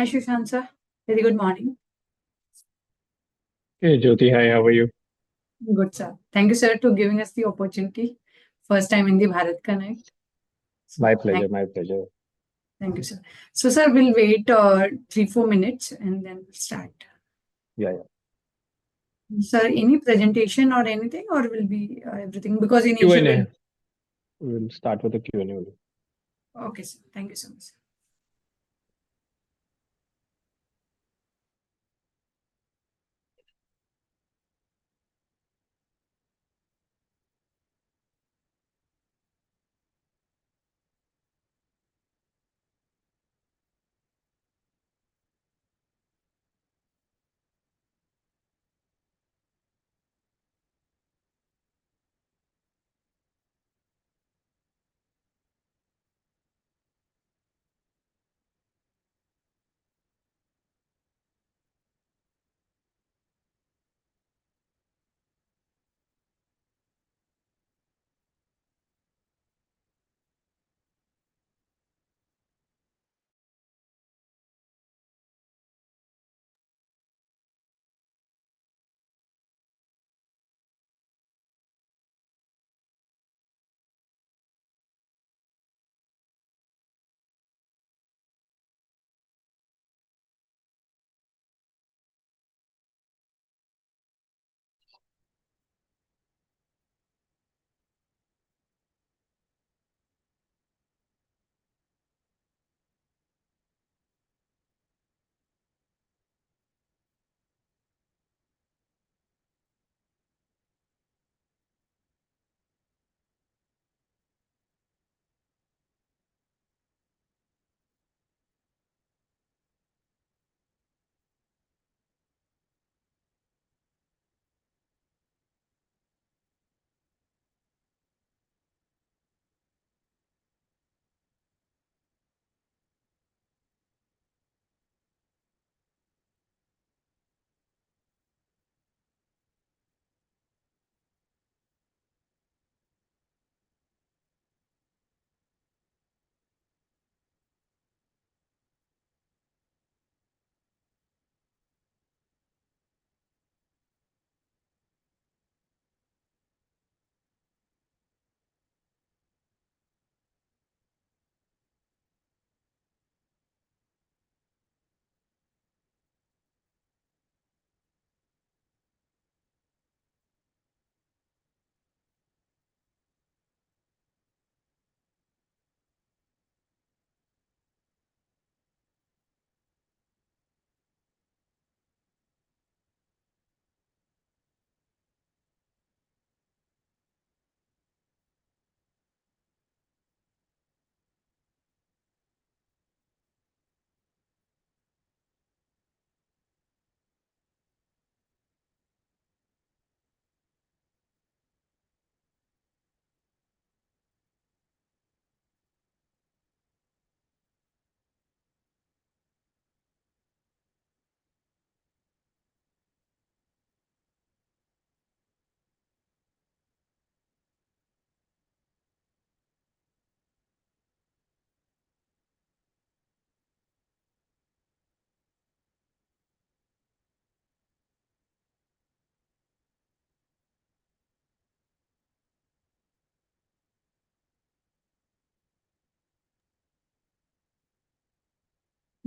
Hi, Sushant sir. Very good morning. Hey, Jyoti. Hi, how are you? Good, sir. Thank you, sir, to giving us the opportunity. First time in the Bharat Connect. It's my pleasure. My pleasure. Thank you, sir. So sir, we'll wait, three, four minutes, and then we'll start. Yeah. Yeah. Sir, any presentation or anything, or it will be, everything? Because in usual- Q&A. We'll start with the Q&A only. Okay, sir. Thank you so much, sir.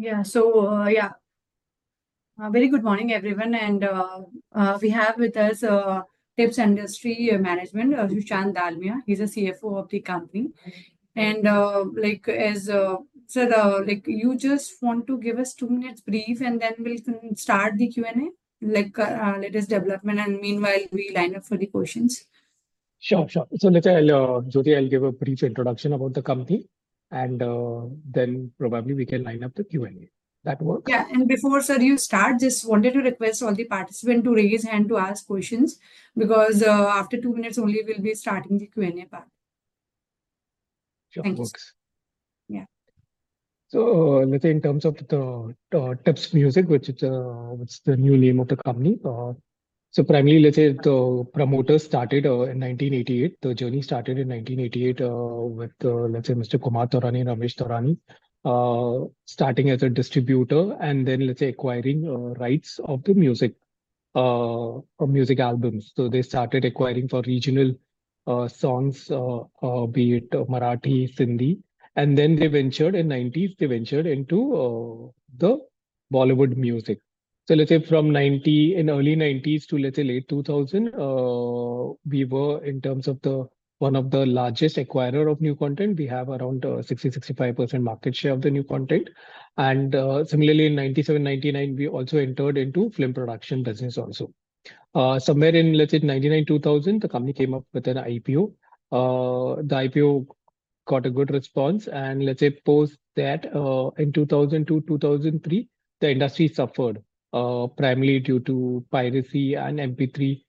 Yeah, so, yeah. Very good morning, everyone, and we have with us Tips Industries management, Sushant Dalmia. He's the CFO of the company. And, like, as... Sir, like, you just want to give us two minutes brief, and then we'll start the Q&A, like latest development, and meanwhile, we line up for the questions. Sure. Sure. So let's say, I'll, Jyoti, I'll give a brief introduction about the company, and, then probably we can line up the Q&A. That work? Yeah. And before, sir, you start, just wanted to request all the participants to raise hand to ask questions, because, after two minutes only, we'll be starting the Q&A part. Sure, works. Thanks. Yeah. Let's say in terms of the Tips Music, which is the new name of the company. Primarily, let's say the promoter started in 1988. The journey started in 1988 with let's say, Mr. Kumar Taurani and Ramesh Taurani starting as a distributor and then, let's say, acquiring rights of the music of music albums. So they started acquiring for regional songs, be it Marathi, Hindi, and then they ventured into the Bollywood music in the 1990s. So let's say from 1990, in early 1990s to, let's say, late 2000, we were one of the largest acquirer of new content. We have around 60%-65% market share of the new content. Similarly, in 1997, 1999, we also entered into film production business also. Somewhere in, let's say, 1999, 2000, the company came up with an IPO. The IPO got a good response, and let's say post that, in 2000 to 2003, the industry suffered, primarily due to piracy and MP3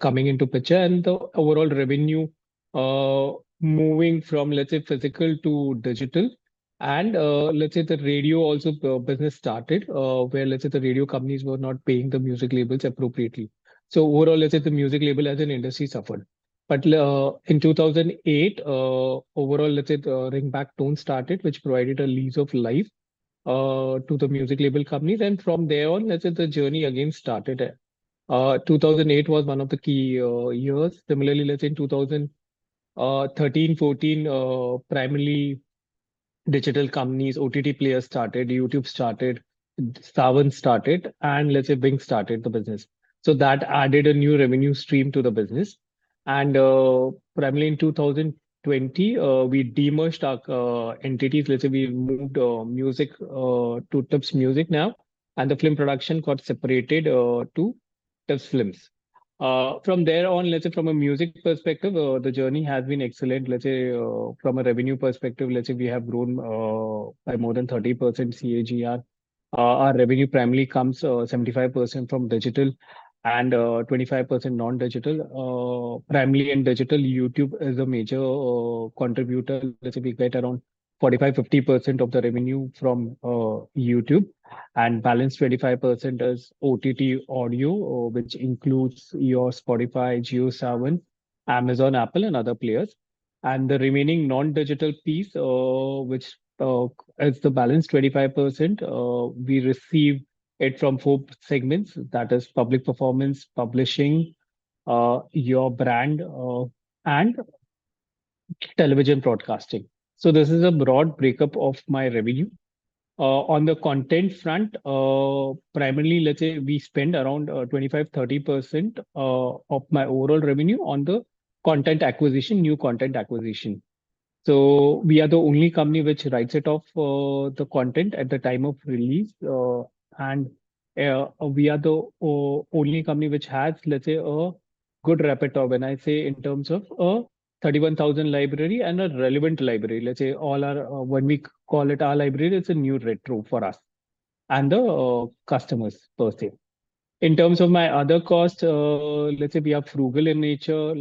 coming into picture, and the overall revenue moving from, let's say, physical to digital. Let's say the radio also business started, where, let's say, the radio companies were not paying the music labels appropriately. So overall, let's say the music label as an industry suffered. In 2008, overall, let's say, the ringback tone started, which provided a lease of life to the music label companies. From there on, let's say, the journey again started. 2008 was one of the key years. Similarly, let's say, in 2013, 2014, primarily digital companies, OTT players started, YouTube started, Saavn started, and let's say, Wynk started the business. So that added a new revenue stream to the business. And, primarily in 2020, we de-merged our entities. Let's say we moved music to Tips Music now, and the film production got separated to Tips Films. From there on, let's say from a music perspective, the journey has been excellent. Let's say, from a revenue perspective, let's say we have grown by more than 30% CAGR. Our revenue primarily comes 75% from digital and 25% non-digital. Primarily in digital, YouTube is a major contributor. Let's say we get around 45%-50% of the revenue from YouTube, and balance 25% is OTT audio, which includes your Spotify, JioSaavn, Amazon, Apple, and other players, and the remaining non-digital piece, which is the balance 25%, we receive it from four segments, that is public performance, publishing, your brand, and television broadcasting, so this is a broad breakup of my revenue. On the content front, primarily, let's say, we spend around 25%-30% of my overall revenue on the content acquisition, new content acquisition, so we are the only company which writes it off the content at the time of release, and we are the only company which has, let's say, a good repertoire, when I say in terms of 31,000 library and a relevant library. Let's say all our library, it's a new repertoire for us and the customers per se. In terms of my other costs, let's say we are frugal in nature.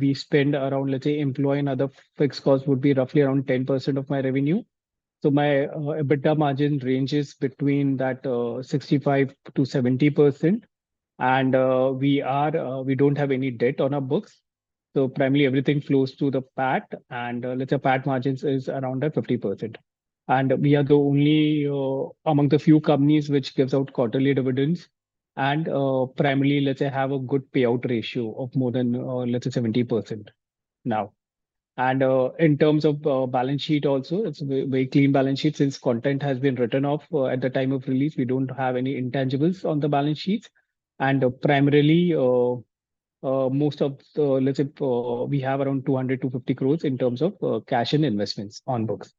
We spend around, let's say, employee and other fixed costs would be roughly around 10% of my revenue. So my EBITDA margin ranges between that 65%-70%. And we are, we don't have any debt on our books, so primarily everything flows through the PAT, and let's say PAT margins is around 50%. And we are the only, among the few companies which gives out quarterly dividends and primarily, let's say, have a good payout ratio of more than, let's say, 70% now. And in terms of balance sheet also, it's a very clean balance sheet. Since content has been written off, at the time of release, we don't have any intangibles on the balance sheet. And, primarily, most of the, let's say, we have around 200 crores-250 crores in terms of cash and investments on books.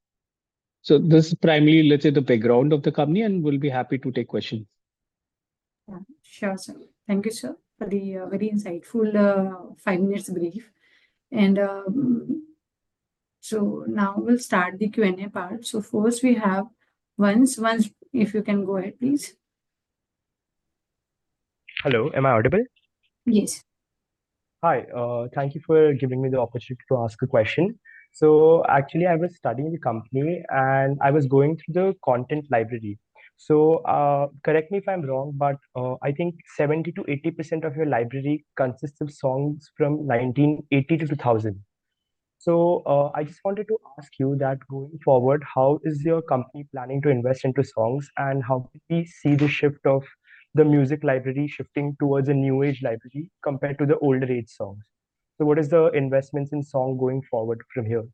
So this is primarily, let's say, the background of the company, and we'll be happy to take questions. Yeah, sure, sir. Thank you, sir, for the very insightful five minutes brief. And so now we'll start the Q&A part. So first we have Vansh. Vansh, if you can go ahead, please. Hello, am I audible? Yes. Hi, thank you for giving me the opportunity to ask a question. So actually, I was studying the company, and I was going through the content library. So, correct me if I'm wrong, but, I think 70%-80% of your library consists of songs from 1980-2000. So, I just wanted to ask you that, going forward, how is your company planning to invest into songs, and how do we see the shift of the music library shifting towards a new age library compared to the older age songs? So what is the investments in song going forward from here?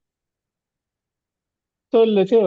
Let's say,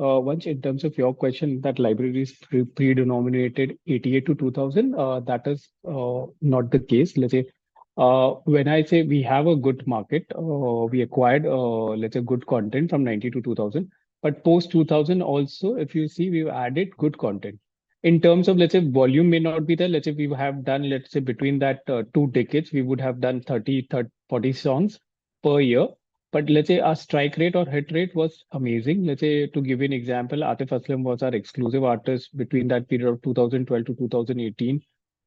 Vansh, in terms of your question, that library is pre-1988 to 2000. That is not the case. Let's say, when I say we have a good market, or we acquired, let's say, good content from 1990-2000, but post-2000 also, if you see, we've added good content. In terms of, let's say, volume may not be there. Let's say we have done, let's say between that two decades, we would have done thirty, thirty, forty songs per year. But let's say our strike rate or hit rate was amazing. Let's say, to give you an example, Atif Aslam was our exclusive artist between that period of 2012-2018.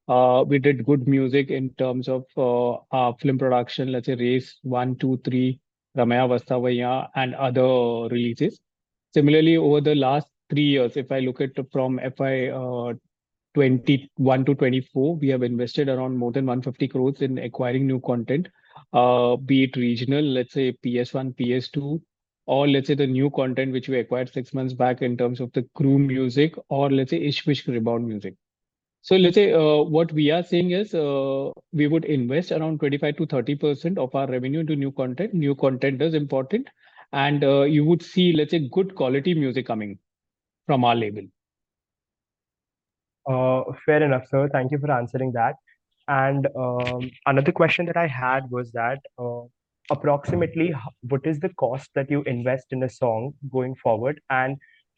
We did good music in terms of our film production, let's say Race 1, 2,3, Ramaiya Vastavaiya, and other releases. Similarly, over the last three years, if I look at from FY 2021- FY 2024, we have invested around more than 150 crores in acquiring new content, be it regional, let's say PS-1, PS-2, or let's say the new content, which we acquired six months back in terms of the Crew Music or let's say, Ishq Vishk Rebound music. So let's say, what we are saying is, we would invest around 25%-30% of our revenue into new content. New content is important, and you would see, let's say, good-quality music coming from our label. Fair enough, sir. Thank you for answering that. And another question that I had was that, approximately, what is the cost that you invest in a song going forward? And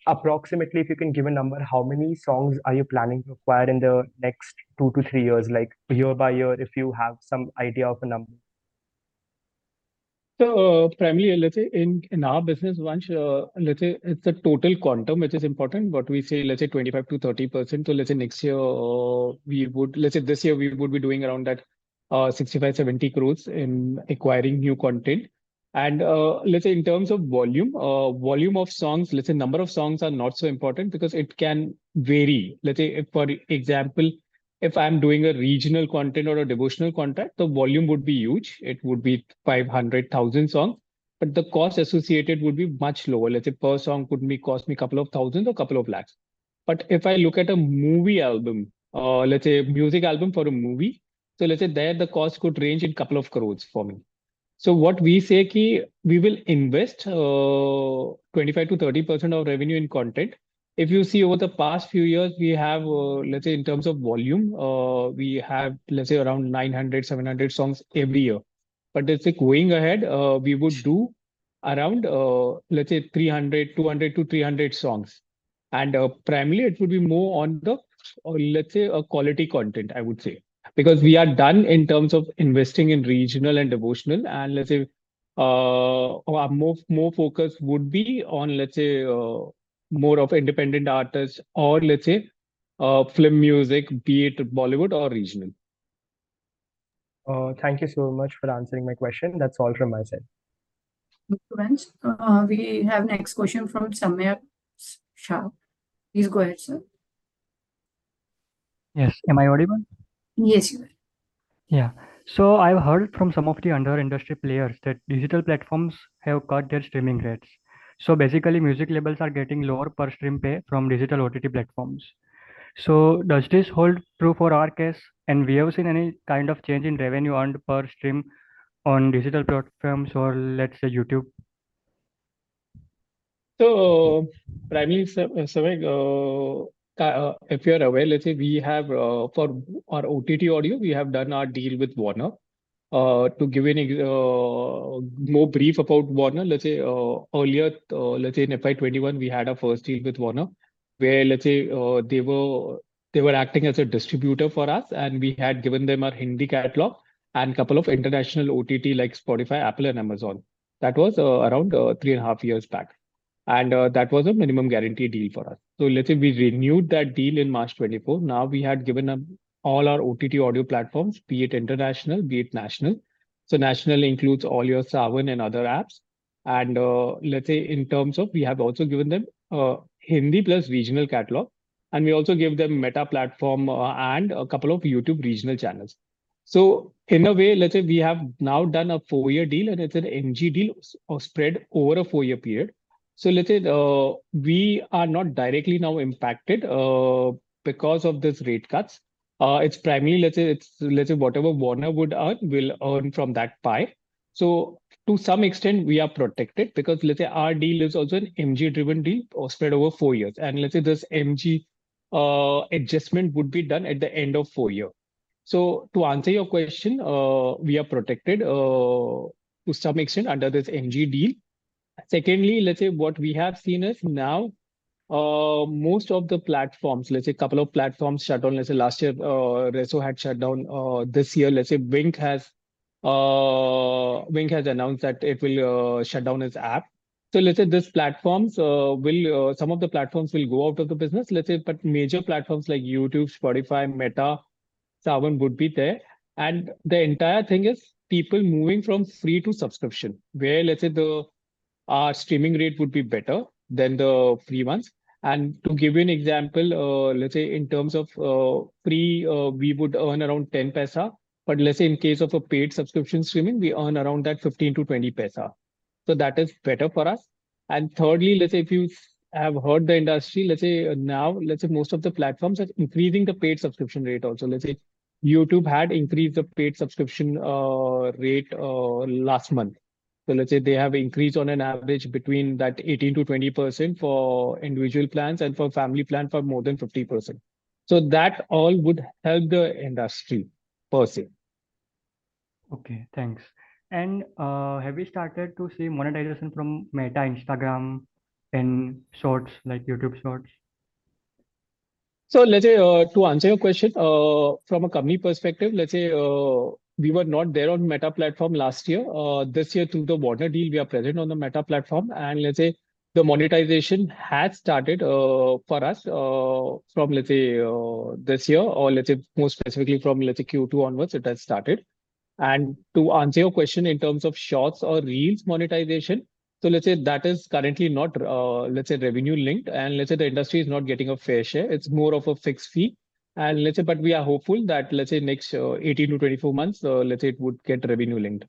approximately, if you can give a number, how many songs are you planning to acquire in the next two to three years, like year by year, if you have some idea of a number? Primarily, let's say, in our business, Vansh, let's say it's a total quantum, which is important, but we say, let's say 25%-30%. Let's say next year, we would be doing around that. Let's say this year, we would be doing around that, 65 crores- 70 crores in acquiring new content, and let's say in terms of volume, volume of songs, let's say number of songs are not so important because it can vary. Let's say, for example, if I'm doing a regional content or a devotional content, the volume would be huge. It would be 500,000 songs, but the cost associated would be much lower. Let's say per song could be, cost me a couple of thousand or a couple of lakhs. But if I look at a movie album, let's say music album for a movie, so let's say there the cost could range in a couple of crores for me. So what we say, key, we will invest 25%-35% of revenue in content. If you see over the past few years, we have, let's say in terms of volume, we have, let's say around 900, 700 songs every year. But let's say going ahead, we would do around, let's say 300, 200-300 songs. And, primarily it would be more on the, let's say, quality content, I would say. Because we are done in terms of investing in regional and devotional and let's say, our more focus would be on, let's say, more of independent artists or let's say, film music, be it Bollywood or regional. Thank you so much for answering my question. That's all from my side. Thank you, Vansh. We have next question from Samyak Shah. Please go ahead, sir. Yes. Am I audible? Yes, you are. Yeah. So I've heard from some of the other industry players that digital platforms have cut their streaming rates. So basically, music labels are getting lower per stream pay from digital OTT platforms. So does this hold true for our case? And we have seen any kind of change in revenue earned per stream on digital platforms or, let's say, YouTube? Primarily, Samyar, if you are aware, let's say we have, for our OTT audio, we have done our deal with Warner. To give you an example, more brief about Warner, let's say, earlier, let's say in FY 2021, we had our first deal with Warner, where let's say, they were acting as a distributor for us, and we had given them our Hindi catalog and couple of international OTT, like Spotify, Apple and Amazon. That was, around, three and a half years back, and, that was a minimum guarantee deal for us. Let's say we renewed that deal in March 2024. Now, we had given them all our OTT audio platforms, be it international, be it national. National includes all your Saavn and other apps. Let's say in terms of we have also given them Hindi plus regional catalog, and we also give them Meta platform and a couple of YouTube regional channels. So in a way, let's say we have now done a four-year deal, and it's an MG deal spread over a four-year period. So let's say we are not directly now impacted because of this rate cuts. It's primarily, let's say, whatever Warner would earn from that pie. So to some extent, we are protected because, let's say our deal is also an MG-driven deal spread over four years. And let's say this MG adjustment would be done at the end of four year. So to answer your question, we are protected to some extent under this MG deal. Secondly, let's say what we have seen is now, most of the platforms, let's say a couple of platforms shut down. Let's say last year, Resso had shut down. This year, let's say Wynk has, Wynk has announced that it will, shut down its app. So let's say these platforms, will, some of the platforms will go out of the business, let's say, but major platforms like YouTube, Spotify, Meta, Saavn would be there. And the entire thing is people moving from free to subscription, where, let's say the, streaming rate would be better than the free ones. And to give you an example, let's say in terms of, free, we would earn around 0.10, but let's say in case of a paid subscription streaming, we earn around 0.15-0.20. So that is better for us. And thirdly, let's say if you have heard the industry, let's say now, let's say most of the platforms are increasing the paid subscription rate also. Let's say YouTube had increased the paid subscription rate last month. So let's say they have increased on an average between that 18%-20% for individual plans and for family plan for more than 50%. So that all would help the industry per se. Okay, thanks. And, have you started to see monetization from Meta, Instagram and Shorts, like YouTube Shorts? So let's say, to answer your question, from a company perspective, let's say we were not there on Meta platform last year. This year, through the Warner deal, we are present on the Meta platform, and let's say the monetization has started for us from let's say this year, or let's say more specifically from let's say Q2 onwards, it has started. And to answer your question in terms of Shorts or Reels monetization, so let's say that is currently not let's say revenue linked, and let's say the industry is not getting a fair share. It's more of a fixed fee. And let's say, but we are hopeful that, let's say, next 18-24 months, let's say, it would get revenue linked.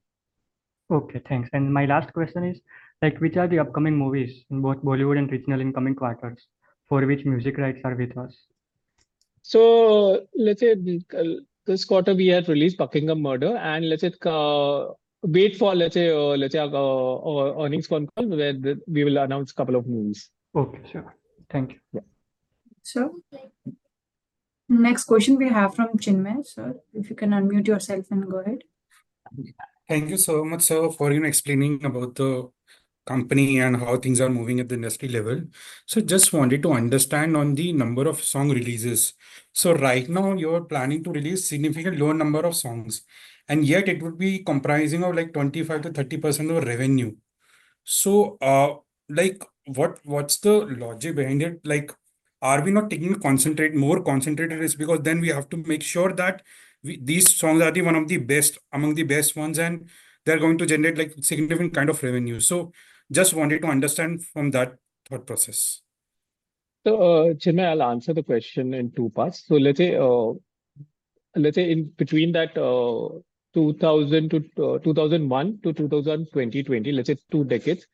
Okay, thanks. And my last question is, like, which are the upcoming movies in both Bollywood and regional in coming quarters for which music rights are with us? So let's say this quarter we have released The Buckingham Murders, and let's wait for our earnings call, where we will announce a couple of movies. Okay, sure. Thank you. Yeah. So the next question we have from Chinmay. Sir, if you can unmute yourself and go ahead. Thank you so much, sir, for your explaining about the company and how things are moving at the industry level. So just wanted to understand on the number of song releases. So right now you are planning to release significantly lower number of songs, and yet it would be comprising of like 25%-30% of revenue.... so, like, what's the logic behind it? Like, are we not taking more concentrated risk? Because then we have to make sure that these songs are one of the best, among the best ones, and they're going to generate, like, significant kind of revenue. So just wanted to understand from that thought process. Chinmay, I'll answer the question in two parts. Let's say in between that, 2001-2020, let's say two decades,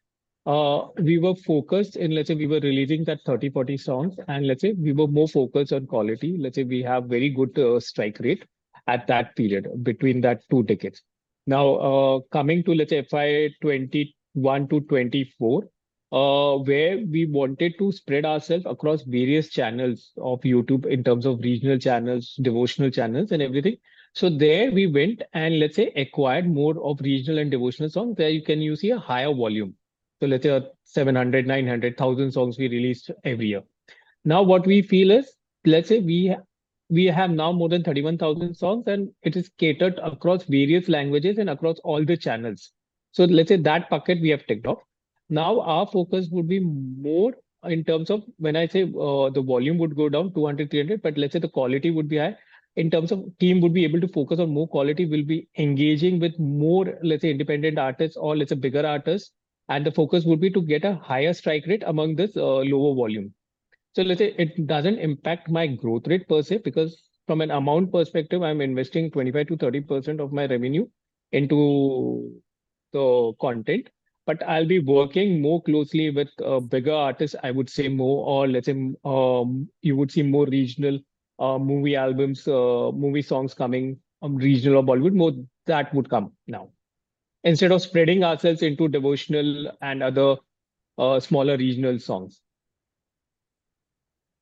we were focused in. Let's say we were releasing 30, 40 songs, and let's say we were more focused on quality. Let's say we have very good strike rate at that period between that two decades. Now, coming to FY 2021- FY 2024, where we wanted to spread ourselves across various channels of YouTube in terms of regional channels, devotional channels, and everything. So there we went, and let's say acquired more of regional and devotional songs where you can see a higher volume. So let's say 700, 900, 1,000 songs we released every year. Now, what we feel is, let's say we have now more than 31,000 songs, and it is catered across various languages and across all the channels. So let's say that bucket we have ticked off. Now, our focus would be more in terms of when I say, the volume would go down, 200, 300, but let's say the quality would be high. In terms of team would be able to focus on more quality, we'll be engaging with more, let's say, independent artists or let's say bigger artists, and the focus would be to get a higher strike rate among this, lower volume. So let's say it doesn't impact my growth rate per se, because from an amount perspective, I'm investing 25%-30% of my revenue into the content. But I'll be working more closely with bigger artists. I would say more or let's say you would see more regional movie albums, movie songs coming, regional or Bollywood, more that would come now, instead of spreading ourselves into devotional and other smaller regional songs.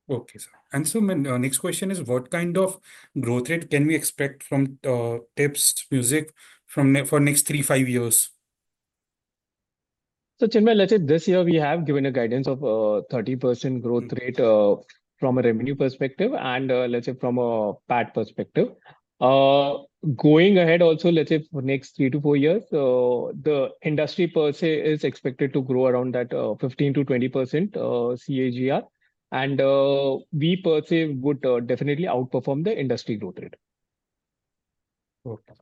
Okay, sir. And so my next question is, what kind of growth rate can we expect from Tips Music for next three, five years? So Chinmay, let's say this year we have given a guidance of 30% growth rate from a revenue perspective and let's say from a PAT perspective. Going ahead, also, let's say for next three to four years the industry per se is expected to grow around that 15%-20% CAGR. And we per se would definitely outperform the industry growth rate. Okay.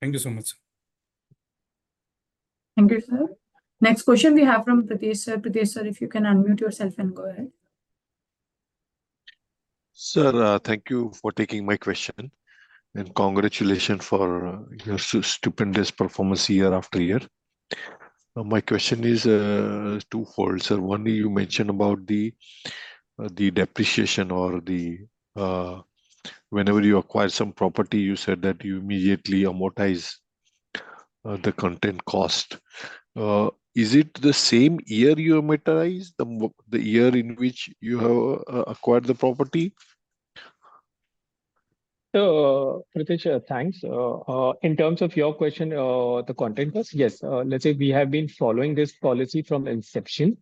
Thank you so much, sir. Thank you, sir. Next question we have from Pritesh Sir. Pritesh Sir, if you can unmute yourself and go ahead. Sir, thank you for taking my question, and congratulations for your stupendous performance year after year. My question is twofold. Sir, one, you mentioned about the depreciation or, whenever you acquire some property, you said that you immediately amortize the content cost. Is it the same year you amortize, the year in which you have acquired the property? So, Pritesh, thanks. In terms of your question, the content cost, yes. Let's say we have been following this policy from inception.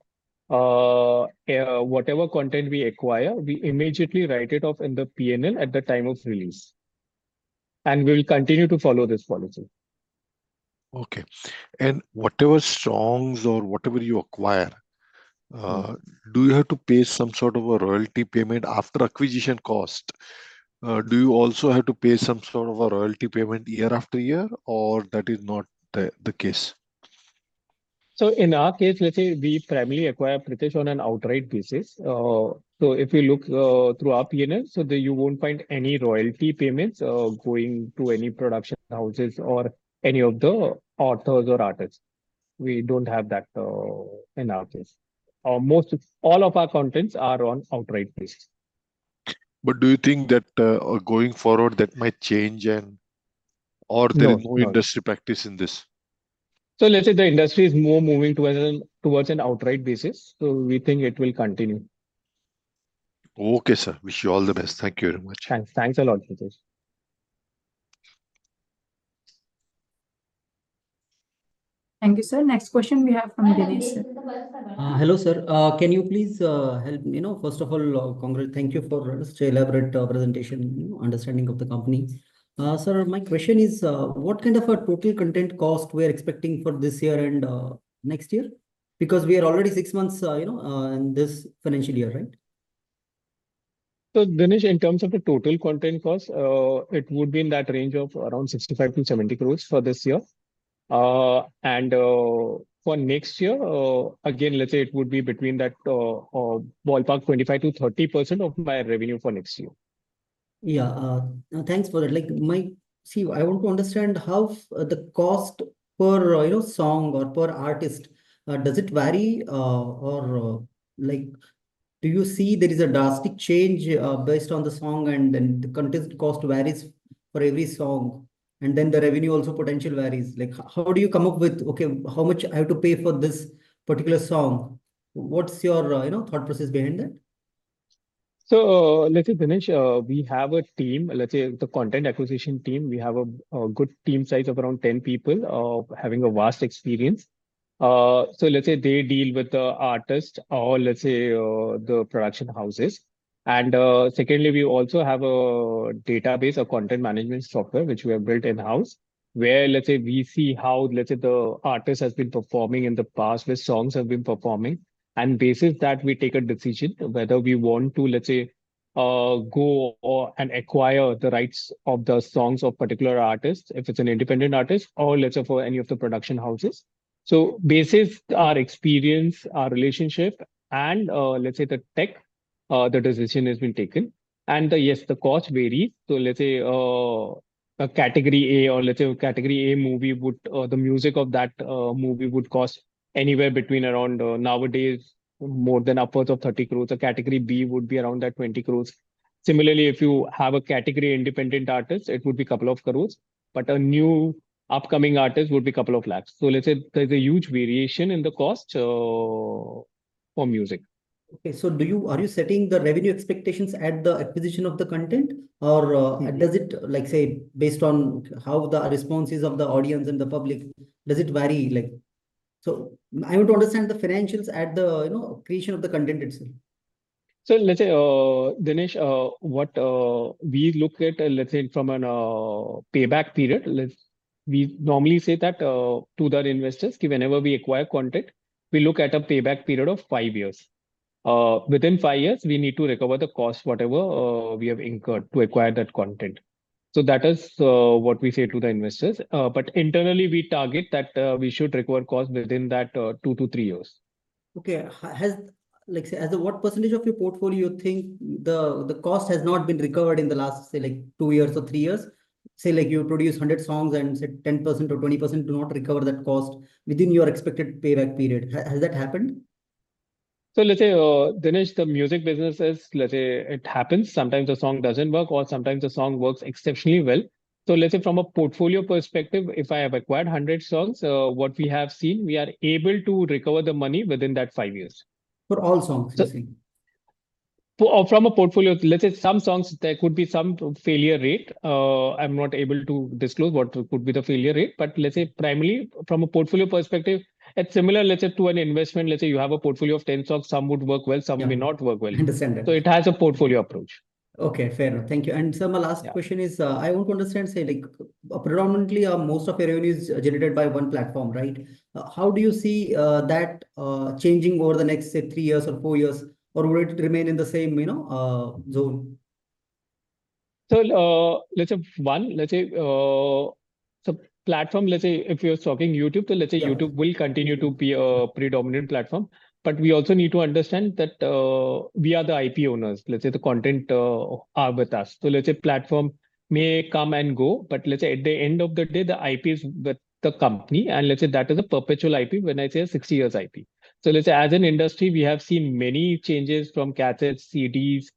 Whatever content we acquire, we immediately write it off in the P&L at the time of release, and we'll continue to follow this policy. Okay. And whatever songs or whatever you acquire, do you have to pay some sort of a royalty payment after acquisition cost? Do you also have to pay some sort of a royalty payment year after year, or that is not the case? So in our case, let's say we primarily acquire, Pritesh, on an outright basis. So if you look through our P&L, so then you won't find any royalty payments going to any production houses or any of the authors or artists. We don't have that in our case. All of our contents are on outright basis. But do you think that, going forward, that might change and- No, no. Or, are there more industry practices in this? Let's say the industry is more moving towards an outright basis, so we think it will continue. Okay, sir. Wish you all the best. Thank you very much. Thanks. Thanks a lot, Pritesh. Thank you, sir. Next question we have from Dinesh sir. Hello, sir. Can you please help. You know, first of all, thank you for this elaborate presentation and understanding of the company. Sir, my question is, what kind of a total content cost we are expecting for this year and next year? Because we are already six months, you know, in this financial year, right? Dinesh, in terms of the total content cost, it would be in that range of around 65 crores- 70 crores for this year. For next year, again, let's say it would be between that ballpark, 25%-30% of my revenue for next year. Yeah. Thanks for that. Like, see, I want to understand how the cost per, you know, song or per artist does it vary? Or, like, do you see there is a drastic change based on the song and then the content cost varies for every song, and then the revenue also potential varies? Like, how do you come up with, "Okay, how much I have to pay for this particular song?" What's your, you know, thought process behind that? Let's say, Dinesh, we have a team, let's say, the content acquisition team. We have a good team size of around 10 people, having a vast experience. Let's say they deal with the artist or let's say, the production houses, and secondly, we also have a database, a content management software, which we have built in-house, where, let's say, we see how, let's say, the artist has been performing in the past, which songs have been performing, and based on that we take a decision whether we want to, let's say, go and acquire the rights of the songs of particular artists, if it's an independent artist or, let's say, for any of the production houses. Based on our experience, our relationship, and, let's say, the tech, the decision has been taken. Yes, the cost varies. So let's say, a category A or, let's say, a category A movie would, the music of that movie would cost anywhere between around, nowadays, more than upwards of 30 crores. A category B would be around that 20 crores. Similarly, if you have a category independent artist, it would be a couple of crores, but a new upcoming artist would be a couple of lakhs. So let's say there's a huge variation in the cost, for music. Okay, so are you setting the revenue expectations at the acquisition of the content? Or Mm... does it, like, say, based on how the response is of the audience and the public, does it vary, like? So I want to understand the financials at the, you know, creation of the content itself. So let's say, Dinesh, what we look at, let's say from a payback period, we normally say that to the investors, whenever we acquire content, we look at a payback period of five years. Within five years, we need to recover the cost, whatever we have incurred to acquire that content. So that is what we say to the investors. But internally, we target that we should recover cost within that two to three years. Okay. Has like, say, as of what percentage of your portfolio you think the, the cost has not been recovered in the last, say, like, two years or three years? Say, like, you produce hundred songs and, say, 10% or 20% do not recover that cost within your expected payback period. Has that happened? So let's say, Dinesh, the music business is, let's say, it happens. Sometimes the song doesn't work, or sometimes the song works exceptionally well. So let's say from a portfolio perspective, if I have acquired 100 songs, what we have seen, we are able to recover the money within that five years. For all songs, you're saying? From a portfolio, let's say some songs, there could be some failure rate. I'm not able to disclose what could be the failure rate, but let's say primarily from a portfolio perspective, it's similar, let's say, to an investment. Let's say you have a portfolio of ten songs, some would work well- Yeah... some may not work well. Understand that. So it has a portfolio approach. Okay, fair enough. Thank you. And so my last- Yeah... question is, I want to understand, say, like, predominantly, most of your revenue is generated by one platform, right? How do you see that changing over the next, say, three years or four years? Or will it remain in the same, you know, zone? So, let's say, one, let's say, so platform, let's say, if you're talking YouTube, so let's say- Yeah... YouTube will continue to be a predominant platform. But we also need to understand that, we are the IP owners. Let's say, the content, are with us. So let's say, platform may come and go, but let's say at the end of the day, the IP is with the company, and let's say that is a perpetual IP, when I say a six years IP. So let's say as an industry, we have seen many changes from cassettes, CDs,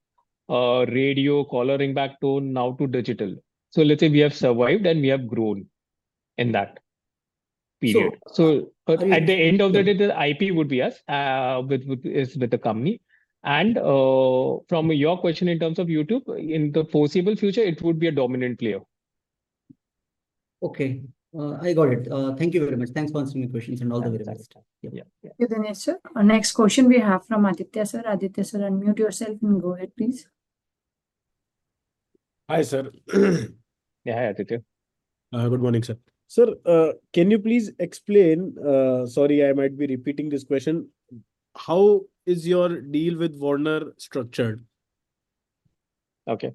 radio, ringback tone, now to digital. So let's say we have survived and we have grown in that period. Sure. At the end of the day, the IP would be with us, which is with the company. From your question in terms of YouTube, in the foreseeable future, it would be a dominant player. Okay. I got it. Thank you very much. Thanks for answering my questions and all the very best. Yeah, yeah. Thank you, Dinesh, sir. Our next question we have from Aditya, sir. Aditya, sir, unmute yourself and go ahead, please. Hi, sir. Yeah, hi, Aditya. Good morning, sir. Sir, can you please explain, sorry, I might be repeating this question, how is your deal with Warner structured? Okay.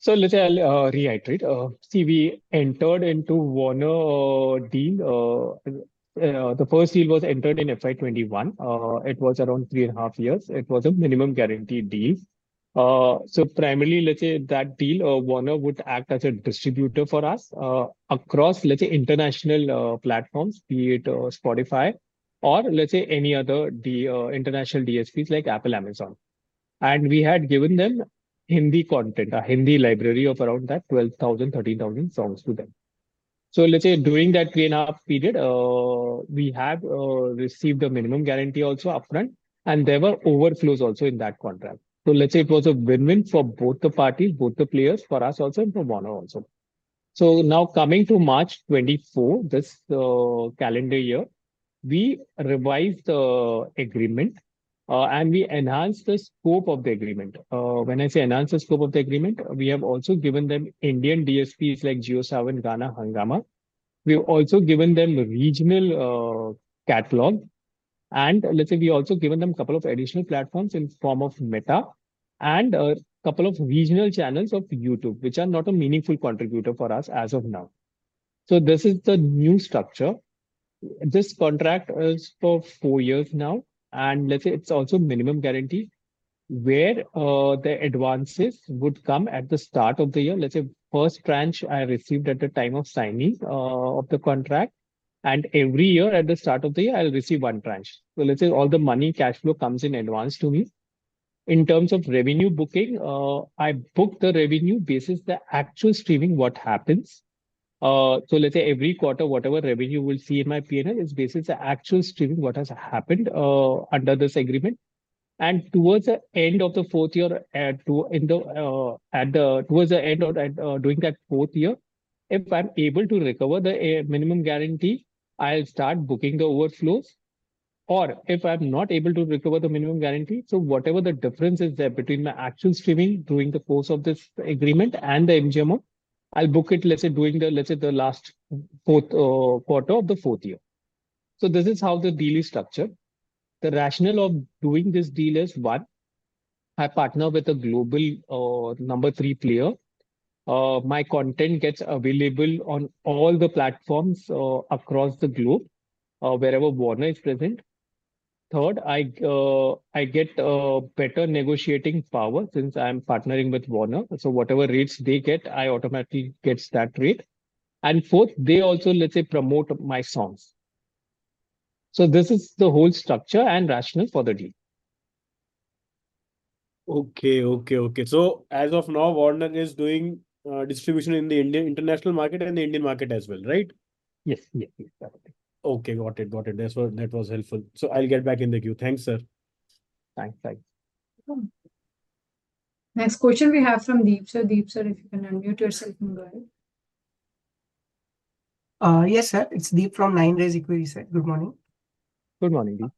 So let me reiterate. See, we entered into Warner deal, the first deal was entered in FY 2021. It was around three and a half years. It was a minimum guaranteed deal. So primarily, let's say, that deal, Warner would act as a distributor for us, across, let's say, international platforms, be it, Spotify, or let's say any other international DSPs like Apple, Amazon. And we had given them Hindi content, a Hindi library of around 12,000-13,000 songs to them. So let's say during that three and a half period, we have received a minimum guarantee also upfront, and there were overflows also in that contract. So let's say it was a win-win for both the parties, both the players, for us also, and for Warner also. So now coming to March 2024, this calendar year, we revised the agreement, and we enhanced the scope of the agreement. When I say enhanced the scope of the agreement, we have also given them Indian DSPs like JioSaavn, Gaana, Hungama. We have also given them regional catalog, and let's say we've also given them a couple of additional platforms in form of Meta and a couple of regional channels of YouTube, which are not a meaningful contributor for us as of now. So this is the new structure. This contract is for four years now, and let's say it's also minimum guarantee, where the advances would come at the start of the year. Let's say, first tranche I received at the time of signing of the contract, and every year at the start of the year, I'll receive one tranche. So let's say all the money, cash flow, comes in advance to me. In terms of revenue booking, I book the revenue basis the actual streaming, what happens. So let's say every quarter, whatever revenue you will see in my P&L is basis the actual streaming, what has happened under this agreement. And towards the end of the fourth year, or during that fourth year, if I'm able to recover the minimum guarantee, I'll start booking the overflows. Or if I'm not able to recover the minimum guarantee, so whatever the difference is there between the actual streaming during the course of this agreement and the MG, I'll book it, let's say, during the last quarter of the fourth year. So this is how the deal is structured. The rationale of doing this deal is what? I partner with a global, number three player. My content gets available on all the platforms, across the globe, wherever Warner is present. Third, I get better negotiating power since I'm partnering with Warner, so whatever rates they get, I automatically gets that rate. And fourth, they also, let's say, promote my songs. So this is the whole structure and rationale for the deal. Okay. So as of now, Warner is doing distribution in the Indian international market and the Indian market as well, right? Yes. Yes, yes, definitely. Okay, got it. Got it. That was, that was helpful. So I'll get back in the queue. Thanks, sir. Thanks. Bye. Next question we have from Deep, so Deep, sir, if you can unmute yourself and go ahead. Yes, sir. It's Deep from Nine Days Equity, sir. Good morning. Good morning,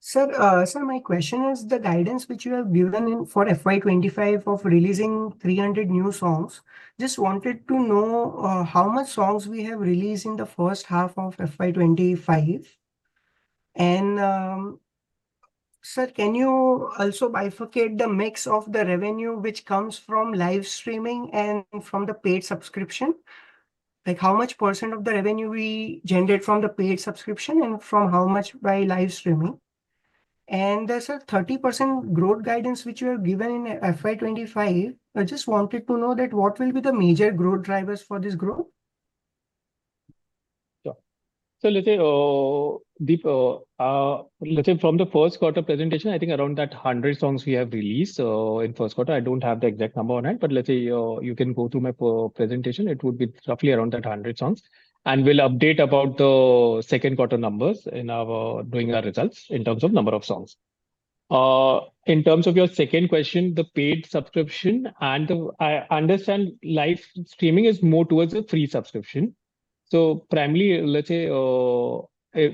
Deep. Sir, so my question is: the guidance which you have given in for FY 2025 of releasing 300 new songs, just wanted to know, how much songs we have released in the first half of FY 2025? And, sir, can you also bifurcate the mix of the revenue which comes from live streaming and from the paid subscription? Like, how much percent of the revenue we generate from the paid subscription and from how much by live streaming? And there's a 30% growth guidance which you have given in FY 2025. I just wanted to know that what will be the major growth drivers for this growth? Sure. So let's say, Deep, let's say from the first quarter presentation, I think around that 100 songs we have released. So in first quarter, I don't have the exact number on it, but let's say, you can go through my previous presentation, it would be roughly around that 100 songs. And we'll update about the second quarter numbers in our, during our results in terms of number of songs. In terms of your second question, the paid subscription, and I, I understand live streaming is more towards a free subscription. So primarily, let's say,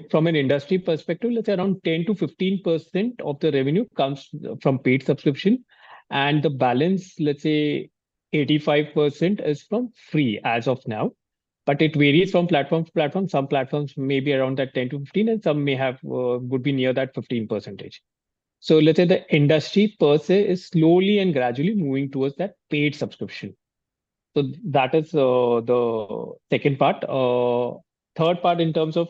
from an industry perspective, let's say around 10%-15% of the revenue comes from paid subscription, and the balance, let's say 85%, is from free as of now. But it varies from platform to platform. Some platforms may be around that 10%-15%, and some may have would be near that 15%. So let's say the industry per se is slowly and gradually moving towards that paid subscription. So that is the second part. Third part, in terms of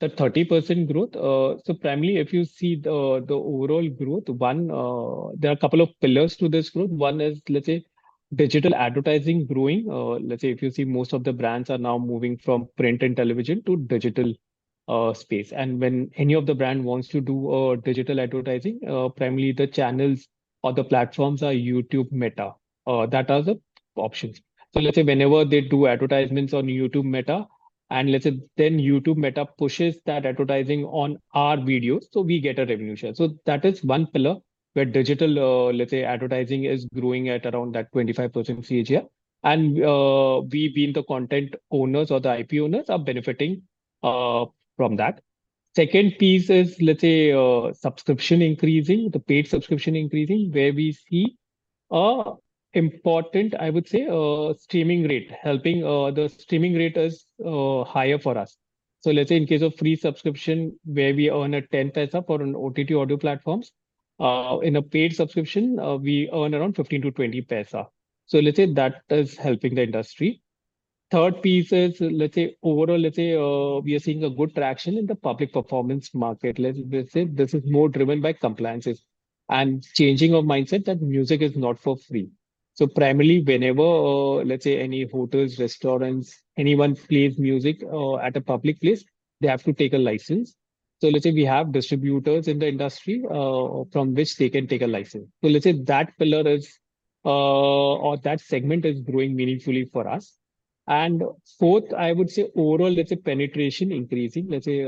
the 30% growth, so primarily, if you see the overall growth, one, there are a couple of pillars to this growth. One is, let's say, digital advertising growing. Let's say if you see, most of the brands are now moving from print and television to digital space. And when any of the brand wants to do digital advertising, primarily the channels or the platforms are YouTube, Meta, that are the options. So let's say whenever they do advertisements on YouTube, Meta, and let's say then YouTube, Meta pushes that advertising on our videos, so we get a revenue share. So that is one pillar where digital, let's say, advertising is growing at around that 25% CAGR. And, we being the content owners or the IP owners, are benefiting from that. Second piece is, let's say, subscription increasing, the paid subscription increasing, where we see an important, I would say, streaming rate. Helping, the streaming rate is higher for us. So let's say in case of free subscription, where we own 0.10 for an OTT audio platforms, in a paid subscription, we own around 0.15-0.20. So let's say that is helping the industry. Third piece is, let's say, overall, let's say, we are seeing good traction in the public performance market. Let's say this is more driven by compliances and changing of mindset that music is not for free. So primarily, whenever, let's say, any hotels, restaurants, anyone plays music, at a public place, they have to take a license. So let's say we have distributors in the industry, from which they can take a license. So let's say that pillar is, or that segment is growing meaningfully for us. And fourth, I would say overall, let's say, penetration increasing. Let's say,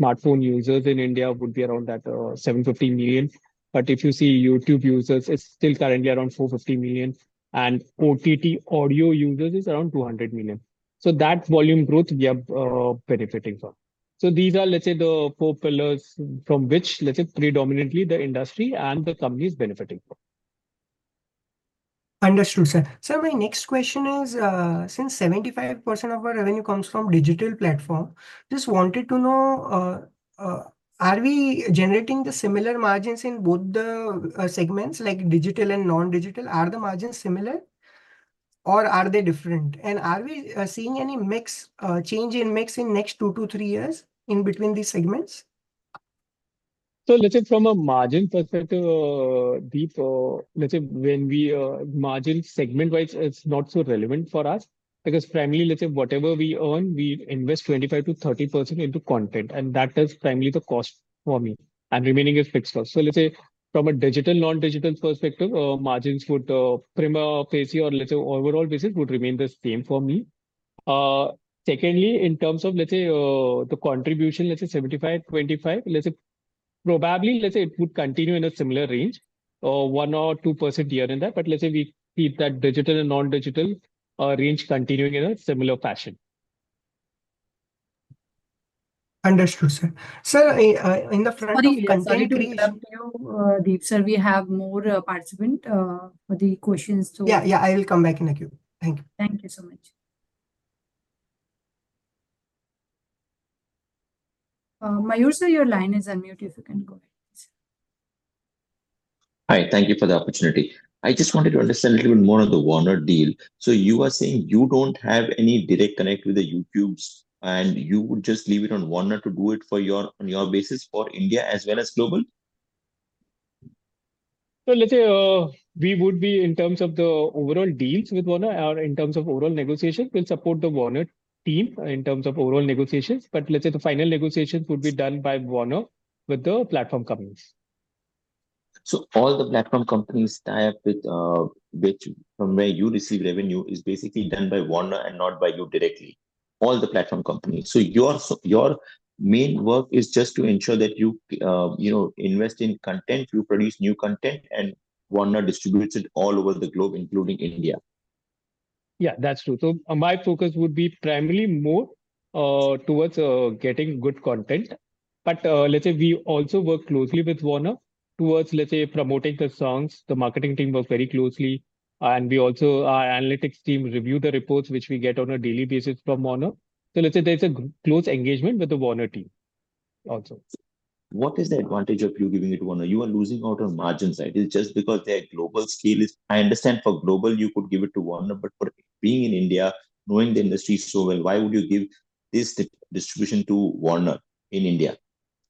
smartphone users in India would be around 750 million, but if you see YouTube users, it's still currently around 450 million, and OTT audio users is around 200 million. So that volume growth, we are benefiting from. So these are, let's say, the four pillars from which, let's say, predominantly the industry and the company is benefiting from. Understood, sir, so my next question is, since 75% of our revenue comes from digital platform, just wanted to know, are we generating the similar margins in both the segments, like digital and non-digital? Are the margins similar or are they different? And are we seeing any mix change in mix in next two to three years in between these segments? So let's say from a margin perspective, Deep, margin, segment-wise, is not so relevant for us, because primarily, let's say whatever we own, we invest 25%-30% into content, and that is primarily the cost for me, and remaining is fixed cost. So let's say from a digital, non-digital perspective, margins would remain basically, or let's say overall basis, would remain the same for me. Secondly, in terms of, let's say, the contribution, let's say 75/25, probably, let's say, it would continue in a similar range, or 1% or 2% year in that. But let's say we keep that digital and non-digital, range continuing in a similar fashion. Understood, sir. So, in the front of continuing- Sorry to interrupt you, Deep sir, we have more participant for the questions, so- Yeah, yeah, I will come back in the queue. Thank you. Thank you so much. Mayur, sir, your line is unmuted, if you can go ahead. Hi, thank you for the opportunity. I just wanted to understand a little bit more on the Warner deal. So you are saying you don't have any direct connect with the YouTube, and you would just leave it on Warner to do it for your- on your basis for India as well as global? So let's say, we would be, in terms of the overall deals with Warner or in terms of overall negotiation, we'll support the Warner team in terms of overall negotiations. But let's say the final negotiations would be done by Warner with the platform companies. So all the platform companies tie up with, which from where you receive revenue, is basically done by Warner and not by you directly, all the platform companies? So your main work is just to ensure that you, you know, invest in content, you produce new content, and Warner distributes it all over the globe, including India. Yeah, that's true. So my focus would be primarily more towards getting good content. But let's say we also work closely with Warner towards let's say promoting the songs. The marketing team works very closely and we also our analytics team review the reports which we get on a daily basis from Warner. So let's say there's a close engagement with the Warner team also. What is the advantage of you giving it to Warner? You are losing out on margin side. Is it just because their global scale is... I understand for global you could give it to Warner, but for being in India, knowing the industry so well, why would you give this distribution to Warner in India?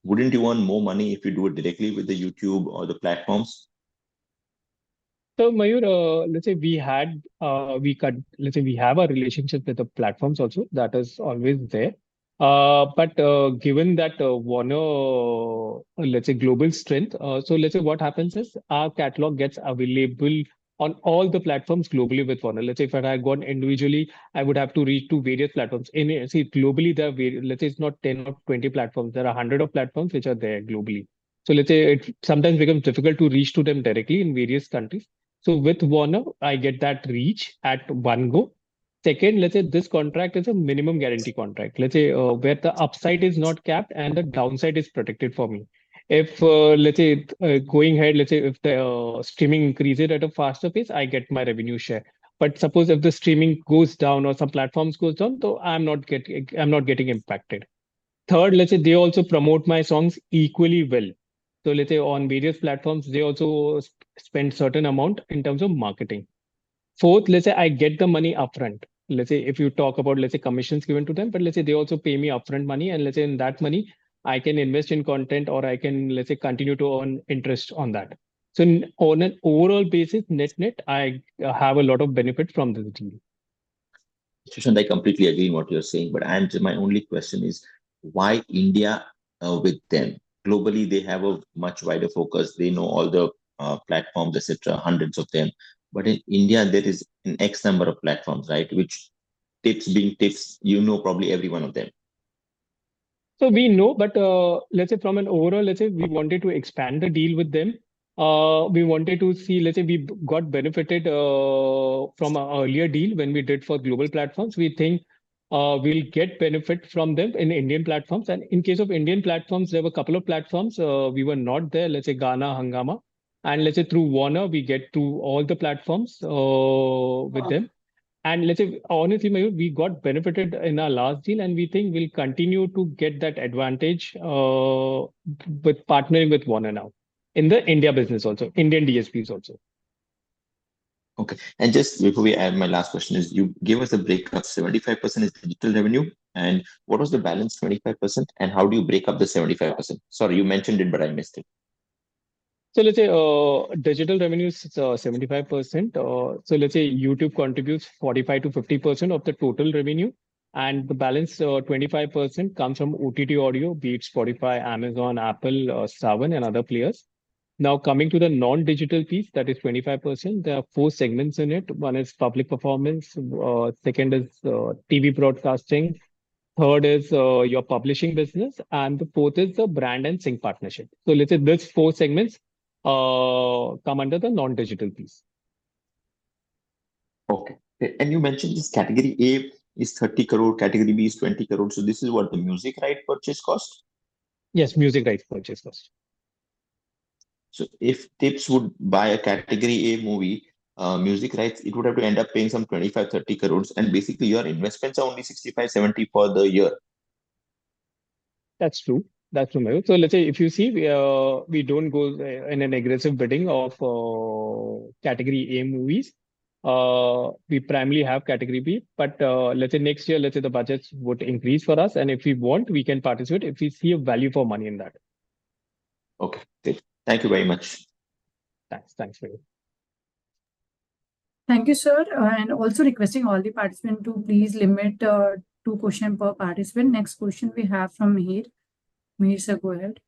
Wouldn't you want more money if you do it directly with the YouTube or the platforms? So, Mayur, let's say we have a relationship with the platforms also, that is always there. But, given that, Warner, let's say global strength, so let's say what happens is, our catalog gets available on all the platforms globally with Warner. Let's say if I had gone individually, I would have to reach to various platforms. And, see, globally, there are, let's say it's not 10 or 20 platforms, there are 100 of platforms which are there globally. So let's say it sometimes becomes difficult to reach to them directly in various countries. So with Warner, I get that reach at one go. Second, let's say this contract is a minimum guarantee contract, let's say, where the upside is not capped and the downside is protected for me. If, let's say, going ahead, let's say if the streaming increases at a faster pace, I get my revenue share. But suppose if the streaming goes down or some platforms goes down, so I'm not getting impacted. Third, let's say they also promote my songs equally well. So let's say on various platforms, they also spend certain amount in terms of marketing. Fourth, let's say I get the money upfront. Let's say if you talk about, let's say, commissions given to them, but let's say they also pay me upfront money, and let's say in that money, I can invest in content, or I can, let's say, continue to earn interest on that. So on an overall basis, net-net, I have a lot of benefit from the team. Sure, I completely agree what you're saying, but my only question is: why India, with them? Globally, they have a much wider focus. They know all the platforms, et cetera, hundreds of them. But in India, there is an X number of platforms, right? Which Tips being Tips, you know probably every one of them. So we know, but, let's say from an overall, let's say we wanted to expand the deal with them. We wanted to see, let's say we got benefited from our earlier deal when we did for global platforms. We think we'll get benefit from them in Indian platforms. And in case of Indian platforms, there were a couple of platforms we were not there, let's say Gaana, Hungama. And let's say, honestly, Mayur, we got benefited in our last deal, and we think we'll continue to get that advantage with partnering with Warner now, in the India business also, Indian DSPs also. Okay. Just before we end, my last question is, you gave us a breakdown, 75% is digital revenue, and what was the balance 25%, and how do you break up the 75%? Sorry, you mentioned it, but I missed it. So let's say digital revenue is 75%. So let's say YouTube contributes 45%-50% of the total revenue, and the balance 25% comes from OTT audio, be it Spotify, Amazon, Apple, or Saavn, and other players. Now, coming to the non-digital piece, that is 25%, there are four segments in it. One is public performance, second is TV broadcasting, third is your publishing business, and the fourth is the brand and sync partnership. So let's say these four segments come under the non-digital piece. Okay, and you mentioned this category A is 30 crore, category B is 20 crore, so this is what the music rights purchase cost? Yes, music rights purchase cost. So if Tips would buy a category A movie music rights, it would have to end up paying some 25 crores-30 crores, and basically, your investments are only 65 crores-70 crores for the year. That's true. That's true, Mayur. So let's say if you see, we don't go in an aggressive bidding of category A movies. We primarily have category B, but, let's say next year, let's say the budgets would increase for us, and if we want, we can participate if we see a value for money in that. Okay, thank you very much. Thanks. Thanks, Mayur. Thank you, sir, and also requesting all the participants to please limit two question per participant. Next question we have from Mihir. Mihir, sir, go ahead.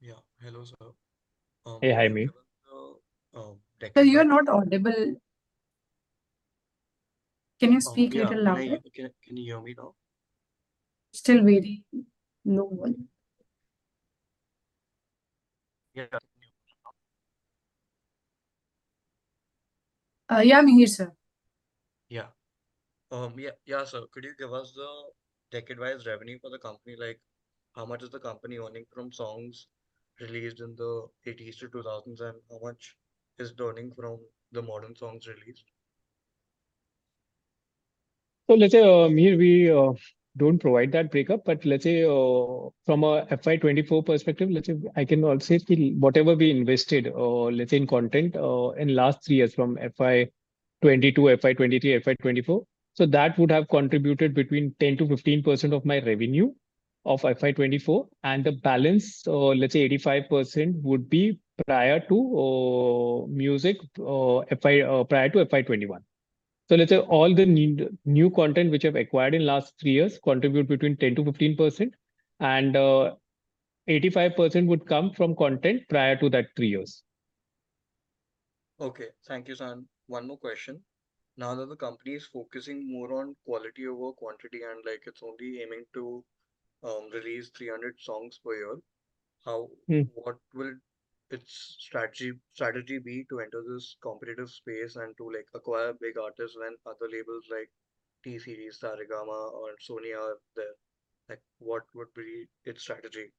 Yeah. Hello, sir. Hey, hi, Mihir. Thank you. Sir, you are not audible. Can you speak little louder? Yeah, yeah. Can you hear me now? Still very low, one. Yeah, yeah. Yeah, Mihir, sir. Yeah, sir. Could you give us the decade-wise revenue for the company? Like, how much is the company earning from songs released in the 1980s-2000s, and how much it's earning from the modern songs released? So let's say, Mihir, we don't provide that breakup. But let's say, from a FY 2024 perspective, let's say, I can say that whatever we invested, let's say in content, in last three years from FY 2022, FY 2023 to FY 2024, so that would have contributed between 10%-15% of my revenue of FY 2024. And the balance, let's say 85%, would be prior to, music, FY, prior to FY 2021. So let's say all the new content which I've acquired in last three years contribute between 10%-15%, and, 85% would come from content prior to that three years. Okay. Thank you, sir. One more question. Now that the company is focusing more on quality over quantity, and, like, it's only aiming to release 300 songs per year- Mm... how, what will its strategy be to enter this competitive space and to, like, acquire big artists when other labels like T-Series, Saregama or Sony are there? Like, what would be its strategy?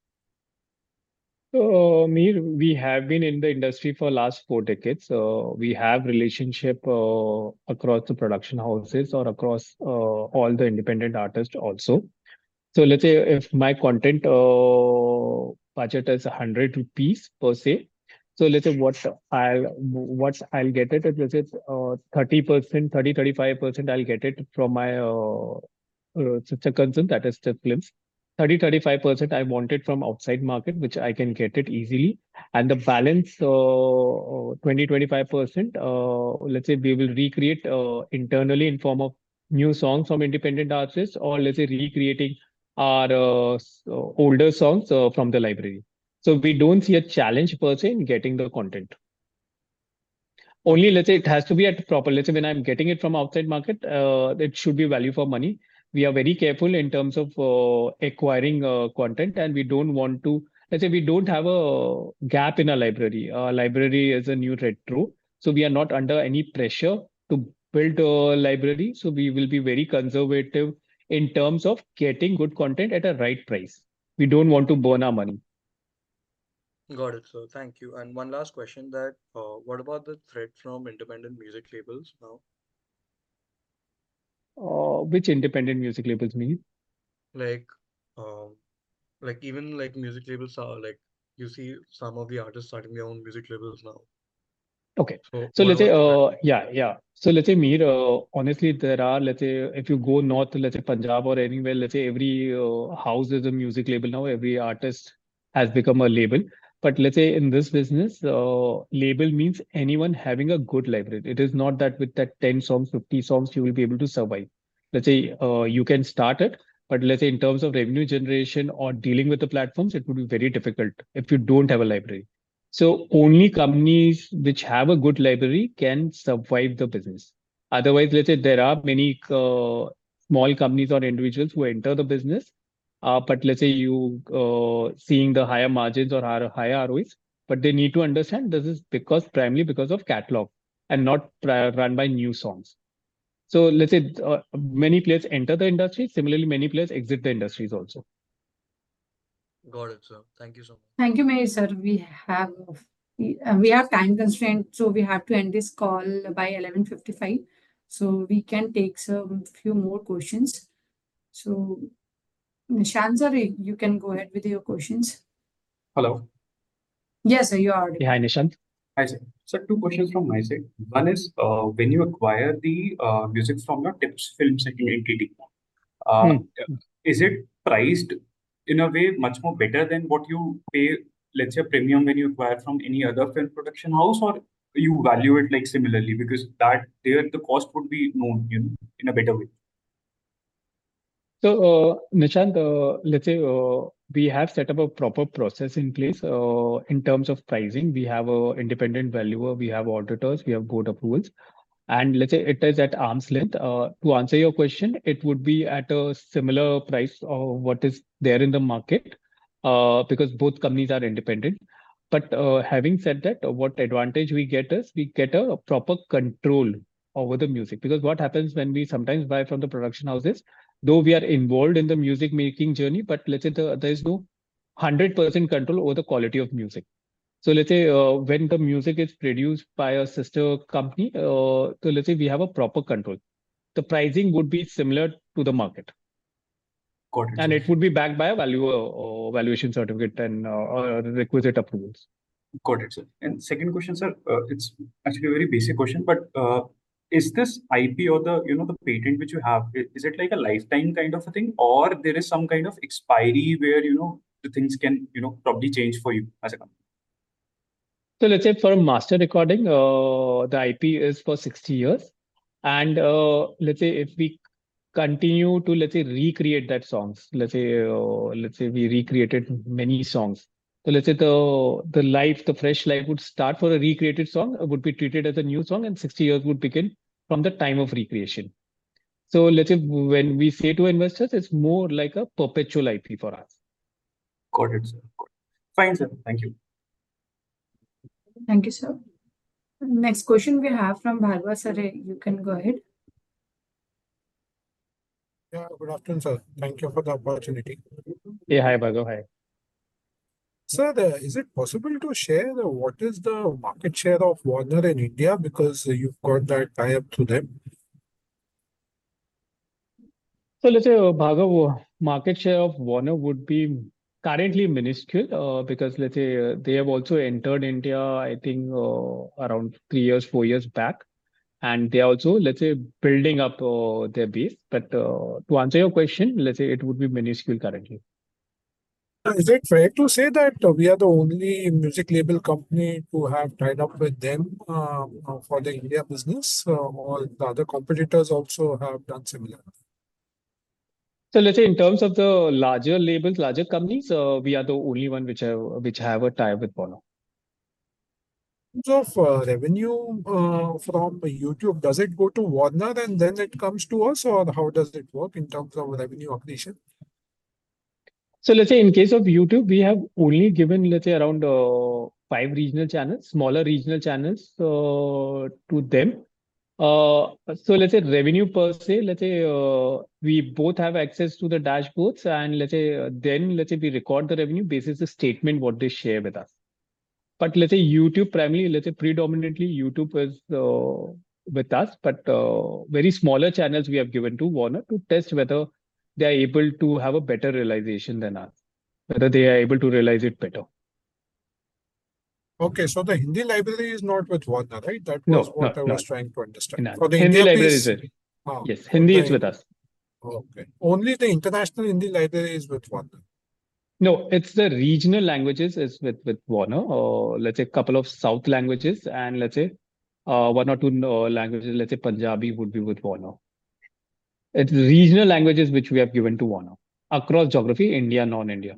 Mihir, we have been in the industry for last four decades, so we have relationship across the production houses or across all the independent artists also. Let's say if my content budget is 100 rupees per se, so let's say what I'll get it, let's say 30%-35% I'll get it from my second unit, that is, the films. 30%-35% I want it from outside market, which I can get it easily. And the balance 20%-25%, let's say we will recreate internally in form of new songs from independent artists, or let's say recreating our older songs from the library. We don't see a challenge per se in getting the content. Only, let's say, it has to be at proper... Let's say, when I'm getting it from outside market, it should be value for money. We are very careful in terms of acquiring content, and let's say we don't have a gap in our library. Our library is a new territory, so we are not under any pressure to build a library, so we will be very conservative in terms of getting good content at a right price. We don't want to burn our money. Got it, sir. Thank you. And one last question: what about the threat from independent music labels now? Which independent music labels, Mihir? Like, like, even like music labels are, like, you see some of the artists starting their own music labels now. Okay. So- So let's say, Mihir, honestly, there are, let's say, if you go north to, let's say, Punjab or anywhere, let's say every house is a music label now, every artist has become a label. But let's say in this business, label means anyone having a good library. It is not that with that 10 songs, 50 songs, you will be able to survive. Let's say, you can start it, but, let's say, in terms of revenue generation or dealing with the platforms, it will be very difficult if you don't have a library. So only companies which have a good library can survive the business. Otherwise, let's say there are many small companies or individuals who enter the business. But let's say you seeing the higher margins or higher ROIs, but they need to understand this is because, primarily because of catalog and not primarily from new songs. So let's say, many players enter the industry. Similarly, many players exit the industries also. Got it, sir. Thank you, sir. Thank you, Mihir, sir. We have time constraint, so we have to end this call by 11:55 A.M. So we can take, sir, a few more questions. So, Nishant, sir, you can go ahead with your questions. Hello. Yes, sir, you are- Yeah, Nishant. Hi, sir. So two questions from my side. One is, when you acquire the music from your Tips Films second entity, Mm... is it priced in a way much more better than what you pay, let's say, premium when you acquire from any other film production house, or you value it, like, similarly? Because that, there the cost would be known, you know, in a better way. So, Nishant, let's say we have set up a proper process in place in terms of pricing. We have an independent valuer, we have auditors, we have board approvals. And let's say it is at arm's length. To answer your question, it would be at a similar price of what is there in the market because both companies are independent. But having said that, what advantage we get is we get a proper control over the music. Because what happens when we sometimes buy from the production houses, though we are involved in the music-making journey, but let's say there is no 100% control over the quality of music. So let's say when the music is produced by a sister company, so let's say we have a proper control. The pricing would be similar to the market. Got it. It would be backed by a value or valuation certificate and requisite approvals. Got it, sir. And second question, sir, it's actually a very basic question, but, is this IP or the, you know, the patent which you have, is it like a lifetime kind of a thing, or there is some kind of expiry where, you know, the things can, you know, probably change for you as a company? So let's say for a master recording, the IP is for sixty years. And, let's say if we continue to, let's say, recreate that songs. Let's say, let's say we recreated many songs. So let's say the life, the fresh life would start for a recreated song, it would be treated as a new song, and sixty years would begin from the time of recreation. So let's say when we say to investors, it's more like a perpetual IP for us. Got it, sir. Got it. Fine, sir. Thank you. Thank you, sir. Next question we have from Bhargav. Sir, you can go ahead. Yeah, good afternoon, sir. Thank you for the opportunity. Yeah, hi, Bhargav. Hi. Sir, is it possible to share what is the market share of Warner in India? Because you've got that tie-up to them. So let's say, Bhargav, market share of Warner would be currently minuscule, because let's say, they have also entered India, I think, around three years, four years back, and they are also, let's say, building up their base. But, to answer your question, let's say it would be minuscule currently. Is it fair to say that we are the only music label company who have tied up with them, for the India business, or the other competitors also have done similar? Let's say in terms of the larger labels, larger companies, we are the only one which have a tie with Warner. For revenue from YouTube, does it go to Warner and then it comes to us, or how does it work in terms of revenue operation? So let's say in case of YouTube, we have only given, let's say, around, five regional channels, smaller regional channels, to them. So let's say revenue per se, let's say, we both have access to the dashboards and, let's say, then, let's say, we record the revenue basis the statement what they share with us. But let's say YouTube primarily, let's say predominantly YouTube is, with us, but, very smaller channels we have given to Warner to test whether they are able to have a better realization than us, whether they are able to realize it better. Okay, so the Hindi library is not with Warner, right? No, no, no. That was what I was trying to understand. No. For the- Hindi library, is it? Oh. Yes, Hindi is with us. Okay. Only the international Hindi library is with Warner? No, it's the regional languages is with Warner. Let's say couple of South languages, and let's say one or two North languages, let's say Punjabi, would be with Warner. It's regional languages which we have given to Warner, across geography, India, non-India.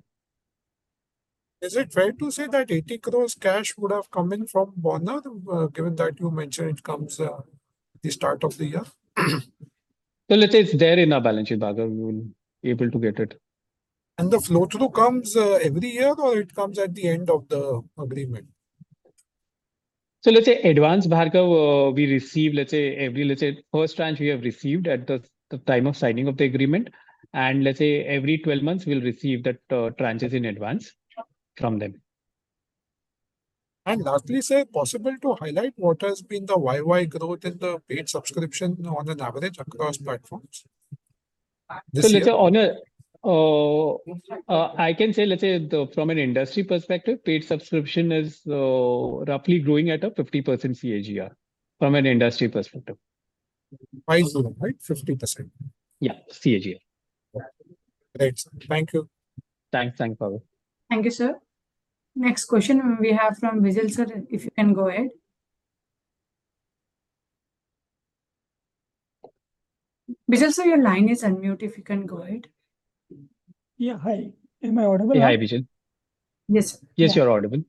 Is it fair to say that 80 crores cash would have come in from Warner, given that you mentioned it comes, the start of the year? So, let's say it's there in our balance sheet, Bhargav. You will be able to get it. And the flow-through comes every year or it comes at the end of the agreement? So let's say advance, Bhargav, we receive, let's say, every... Let's say, first tranche we have received at the time of signing of the agreement, and let's say every 12 months we'll receive that tranches in advance from them. And lastly, sir, possible to highlight what has been the YoY growth in the paid subscription on an average across platforms? This year. So, let's say, on a, Mm-hmm. I can say, let's say from an industry perspective, paid subscription is roughly growing at a 50% CAGR, from an industry perspective. Why is it, right, 50%? Yeah, CAGR. Right. Thank you. Thanks. Thank you, Bhargav. Thank you, sir. Next question we have from Bijal sir, if you can go ahead. Bijal sir, your line is unmuted, if you can go ahead. Yeah, hi. Am I audible? Yeah. Hi, Bijal. Yes. Yes, you're audible.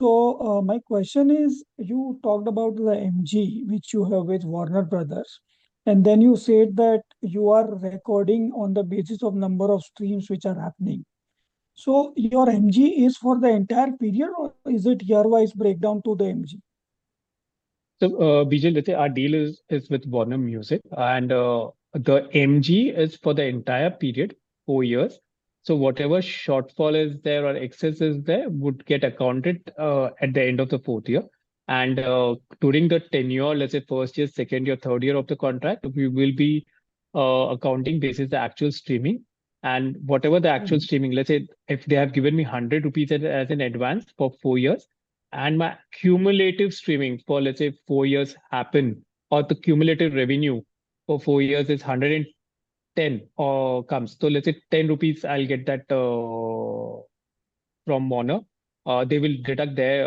My question is: you talked about the MG, which you have with Warner, and then you said that you are recording on the basis of number of streams which are happening. So your MG is for the entire period, or is it year-wise breakdown to the MG? Bijal, let's say our deal is with Warner Music, and the MG is for the entire period, four years. So whatever shortfall is there or excesses there would get accounted at the end of the fourth year. And during the tenure, let's say first year, second year, third year of the contract, we will be accounting basis the actual streaming. And whatever the actual streaming, let's say, if they have given me 100 rupees as an advance for four years, and my cumulative streaming for, let's say, four years happen, or the cumulative revenue for four years is 110 comes, so let's say 10 rupees, I'll get that from Warner. They will deduct their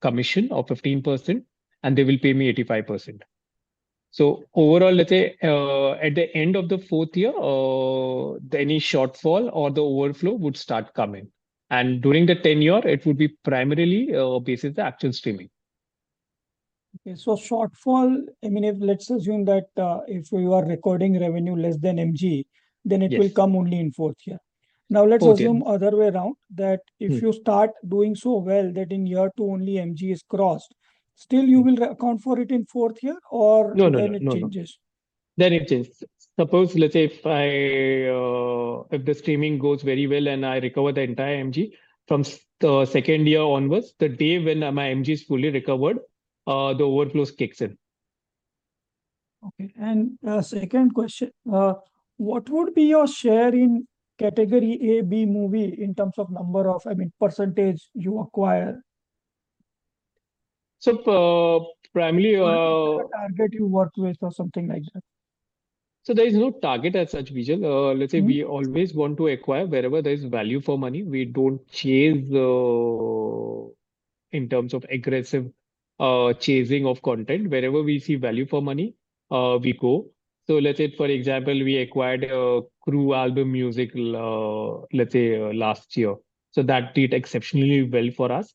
commission of 15%, and they will pay me 85%. Overall, let's say, at the end of the fourth year, any shortfall or the overflow would start coming. During the tenure, it would be primarily basis the actual streaming. Okay, so shortfall, I mean, if, let's assume that, if you are recording revenue less than MG, then it- Yes... will come only in fourth year. Okay. Now, let's assume other way around, that- Mm... if you start doing so well that in year two only MG is crossed, still you will account for it in fourth year or- No, no, no, no.... then it changes? Then it changes. Suppose, let's say if I, if the streaming goes very well and I recover the entire MG, from the second year onwards, the day when my MG is fully recovered, the overflows kicks in. Okay, and second question: what would be your share in category A, B movie in terms of number of, I mean, percentage you acquire? So, primarily. What target you work with or something like that? So there is no target as such, Bijal. Let's say- Mm... we always want to acquire wherever there is value for money. We don't chase in terms of aggressive chasing of content. Wherever we see value for money, we go. So let's say, for example, we acquired a Crew album music, let's say, last year. So that did exceptionally well for us.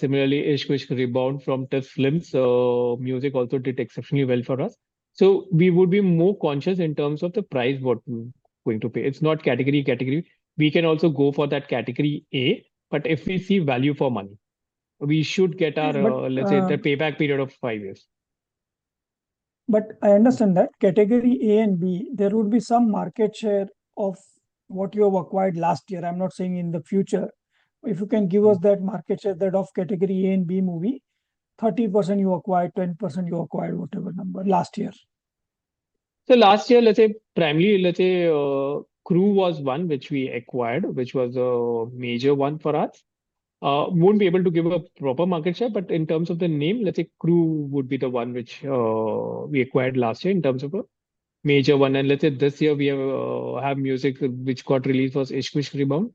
Similarly, Ishq Vishk Rebound from T-Series Films, so music also did exceptionally well for us. So we would be more conscious in terms of the price, what we're going to pay. It's not category, category. We can also go for that category A, but if we see value for money, we should get our- But, uh- Let's say, the payback period of five years. But I understand that category A and B, there would be some market share of what you have acquired last year. I'm not saying in the future. If you can give us that market share, that of category A and B movie, 30% you acquired, 20% you acquired, whatever number last year? So last year, let's say, primarily, let's say, Crew was one which we acquired, which was a major one for us. Won't be able to give a proper market share, but in terms of the name, let's say, Crew would be the one which we acquired last year in terms of a major one. And let's say, this year, we have music which got released was Ishq Vishk Rebound.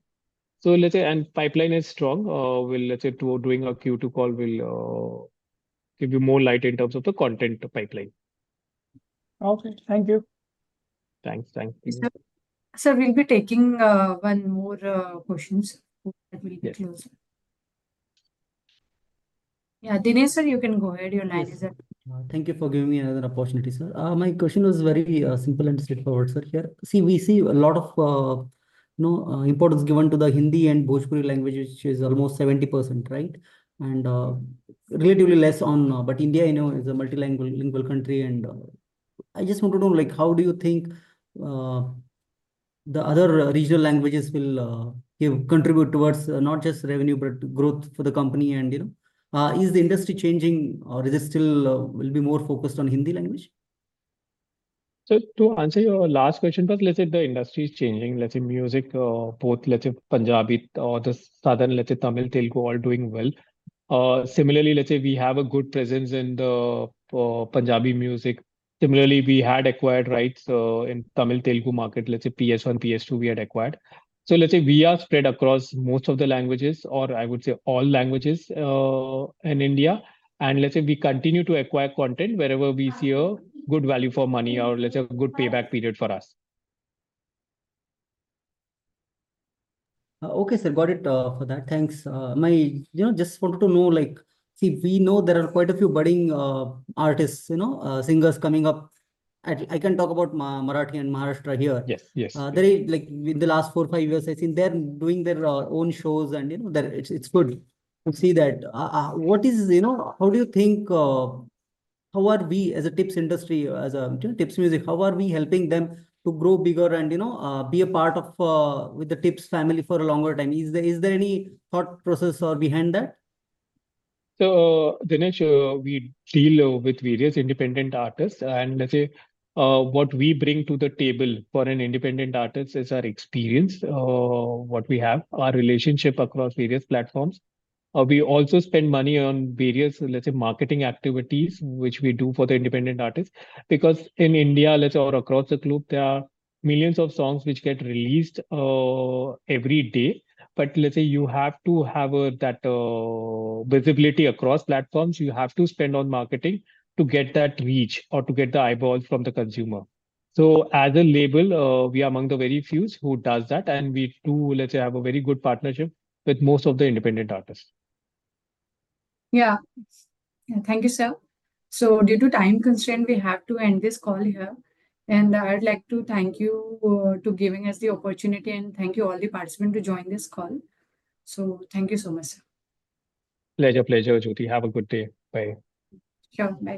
So let's say, and pipeline is strong, we'll, let's say, to doing a Q2 call will give you more light in terms of the content pipeline. Okay. Thank you. Thanks. Thank you. Sir, sir, we'll be taking one more question so that we get close. Yeah, Dinesh, sir, you can go ahead. You're next, sir. Thank you for giving me another opportunity, sir. My question was very simple and straightforward, sir. Here, see, we see a lot of, you know, importance given to the Hindi and Bhojpuri language, which is almost 70%, right? And relatively less on... But India, you know, is a multilingual country. And I just want to know, like, how do you think the other regional languages will give, contribute towards not just revenue, but growth for the company and, you know? Is the industry changing, or is it still will be more focused on Hindi language? So to answer your last question first, let's say, the industry is changing. Let's say, music, both, let's say, Punjabi or the Southern, let's say, Tamil, Telugu, all doing well. Similarly, let's say, we have a good presence in the, Punjabi music. Similarly, we had acquired rights, in Tamil, Telugu market, let's say, PS-1, PS-2, we had acquired. So let's say, we are spread across most of the languages, or I would say, all languages, in India. And let's say, we continue to acquire content wherever we see a good value for money or, let's say, a good payback period for us. Okay, sir. Got it, for that. Thanks. You know, just wanted to know, like, see, we know there are quite a few budding artists, you know, singers coming up. I can talk about Marathi and Maharashtra here. Yes. Yes. They, like, in the last four, five years, I've seen them doing their own shows, and, you know, that it's good to see that. What is, you know, how do you think, how are we as a Tips Industries, as a, you know, Tips Music, how are we helping them to grow bigger and, you know, be a part of, with the Tips family for a longer time? Is there any thought process behind that? So, Dinesh, we deal with various independent artists, and let's say, what we bring to the table for an independent artist is our experience, what we have, our relationship across various platforms. We also spend money on various, let's say, marketing activities, which we do for the independent artists. Because in India, let's say, or across the globe, there are millions of songs which get released, every day. But let's say, you have to have, that, visibility across platforms. You have to spend on marketing to get that reach or to get the eyeballs from the consumer. So as a label, we are among the very few who does that, and we do, let's say, have a very good partnership with most of the independent artists. Yeah. Yeah, thank you, sir. So due to time constraint, we have to end this call here. And I'd like to thank you to giving us the opportunity, and thank you all the participants who joined this call. So thank you so much, sir. Pleasure, pleasure, Jyoti. Have a good day. Bye. Sure. Bye.